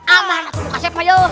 aman atau muka siapa yuk